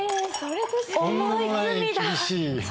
重い罪だ。